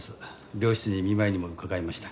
病室に見舞いにも伺いました。